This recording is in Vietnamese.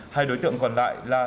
hai đối tượng còn lại là